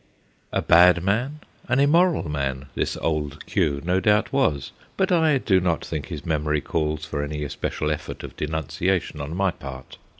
A bad man, an immoral man, this Old Q. no doubt was, but I do not think his memory calls for any especial effort of denunciation on my part.